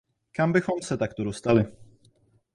Kam bychom se takto dostali?